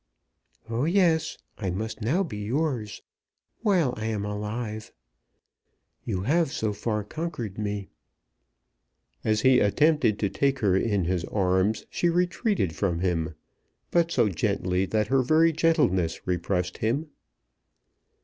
"Oh, yes, I must now be yours, while I am alive. You have so far conquered me." As he attempted to take her in his arms she retreated from him; but so gently that her very gentleness repressed him.